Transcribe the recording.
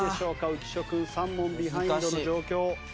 浮所君３問ビハインドの状況。